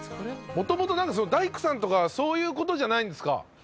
元々大工さんとかそういう事じゃないんですか？